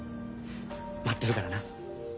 待ってるからな。